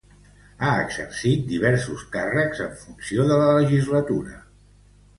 Ha exercit diversos càrrecs en funció de la legislatura.